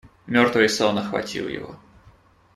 Мертвый сон охватил его.